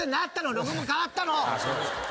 ロゴも変わったの！